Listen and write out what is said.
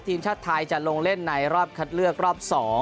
ทีมชาติไทยจะลงเล่นในรอบคัดเลือกรอบ๒